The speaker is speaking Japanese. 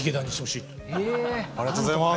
ありがとうございます。